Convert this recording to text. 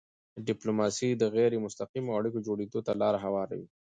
ډیپلوماسي د غیری مستقیمو اړیکو جوړېدو ته لاره هواروي.